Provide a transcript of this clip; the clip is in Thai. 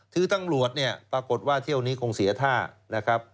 คือตำรวจเนี่ยปรากฏว่าเที่ยวนี้คงเสียท่านะครับ